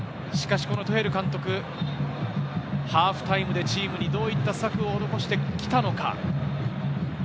そのトゥヘル監督、ハーフタイムでチームにどういった策を残してきたのか。